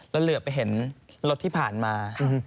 แล้วเหลือไปเห็นรถที่ผ่านมา